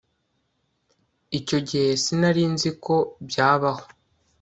icyo gihe sinari nzi ko byabaho